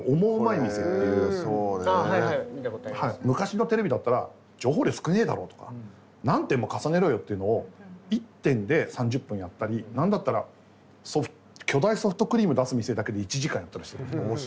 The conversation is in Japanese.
昔のテレビだったら情報量少ねえだろうとか何店も重ねろよっていうのを１店で３０分やったり何だったら巨大ソフトクリーム出す店だけで１時間やったりする。